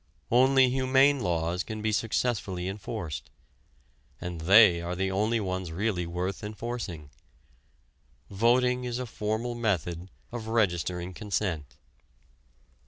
Only humane laws can be successfully enforced; and they are the only ones really worth enforcing. Voting is a formal method of registering consent.